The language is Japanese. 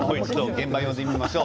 現場を呼んでみましょう。